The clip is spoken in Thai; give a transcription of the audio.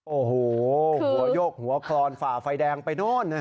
โอ้โหหัวโยกหัวคลอนฝ่าไฟแดงไปโน่น